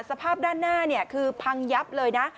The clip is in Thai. สภาพด้านหน้าคือพังยับเลยนะ